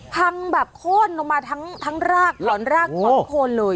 พังแบบโค้นลงมาทั้งรากถอนรากถอนโคนเลย